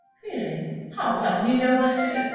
"Really? Ah well, then you know what it is.